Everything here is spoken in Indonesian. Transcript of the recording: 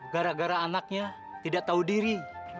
gara gara anaknya tidak tahu diri